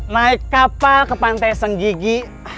naik kapal ke pantai senggigi